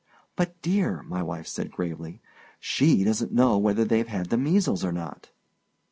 "But, my dear," my wife said, gravely, "she doesn't know whether they've had the measles or not."